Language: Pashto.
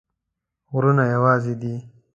غرونه یوازي دي